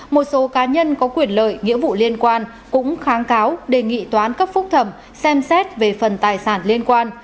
một số cá nhân có quyền lợi nghĩa vụ liên quan cũng kháng cáo đề nghị toán cấp phúc thẩm xem xét về phần tài sản liên quan